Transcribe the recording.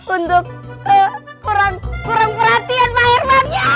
untuk kurang perhatian pak herman ya